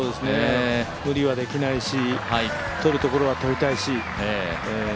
無理はできないし、取るところは取りたいし。